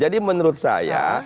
jadi menurut saya